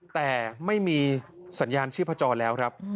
แต่ไม่มีสัญญาณชีพจรแล้วครับ